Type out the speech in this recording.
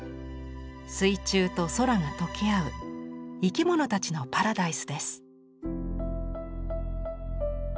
水中と空が溶け合う生き物たちのパラダイスです。